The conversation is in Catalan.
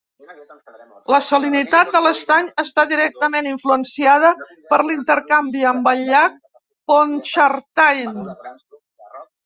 La salinitat de l'estany està directament influenciada per l'intercanvi amb el llac Pontchartrain.